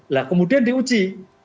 nah kemudian diuji